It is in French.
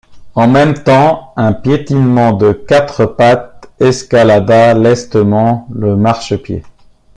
En même temps un piétinement de quatre pattes escalada lestement le marchepied.